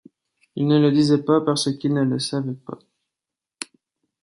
Ils ne le disaient pas parce qu’ils ne le savaient pas.